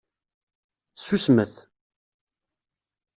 Ssusmet!